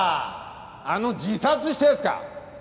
あの自殺したやつか。